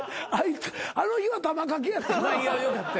あの日は玉掛けやったな。